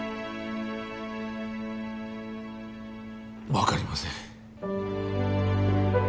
分かりません